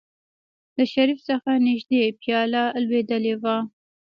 له شريف څخه نژدې پياله لوېدلې وه.